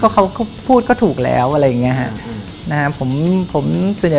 เขาพูดก็ถูกแล้วอะไรอย่างนี้